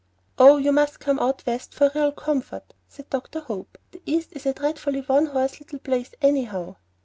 "Oh, you must come out West for real comfort," said Dr. Hope. "The East is a dreadfully one horse little place, anyhow."